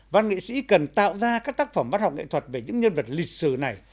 văn nghệ sĩ cần tạo ra các tác phẩm văn học nghệ thuật về những nhân vật lịch sử này